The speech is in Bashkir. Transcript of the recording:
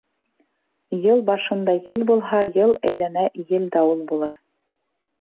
Йыл башында ел булһа, йыл әйләнә ел-дауыл булыр.